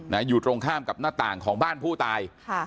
อยู่ตรงข้ามกับหน้าต่างของบ้านผู้ตายค่ะ